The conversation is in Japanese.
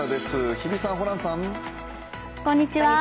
日比さん、ホランさん。